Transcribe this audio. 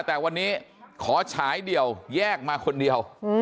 แต่วันนี้ขอฉายเดี่ยวแยกมาคนเดียว